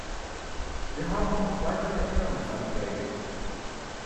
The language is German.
Wir haben auch noch weitere Änderungsanträge.